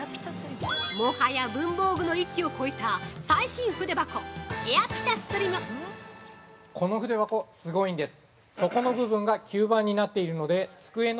◆もはや文房具の域を超えた最新筆箱「エアピタスリム」。◆この筆箱、すごいんです。